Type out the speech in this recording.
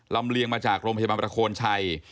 เลียงมาจากโรงพยาบาลประโคนชัย